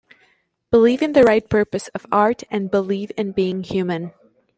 Believe in the right purpose of art and believe in being human.